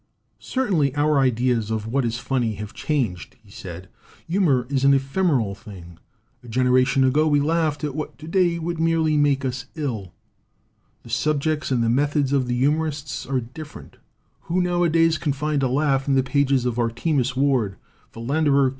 "Certainly our ideas of what is funny have changed," he said. "Humor is an ephemeral thing. A generation ago we laughed at what to day would merely make us ill. The subjects and the methods of the humorists are different. 55 LITERATURE IN THE MAKING Who nowadays can find a laugh in the pages of Artemus Ward, Philander Q.